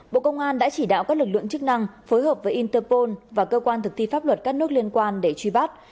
bộ công an đã chỉ đạo các lực lượng chức năng phối hợp với interpol và cơ quan thực thi pháp luật các nước liên quan để truy bắt